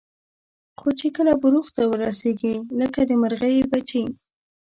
خو چې کله بلوغ ته ورسېږي لکه د مرغۍ بچي.